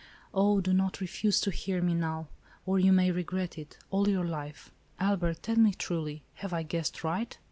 Oh do not refuse to hear me now, or you may regret it, all your life l Albert, tell me truly ; have I guessed aright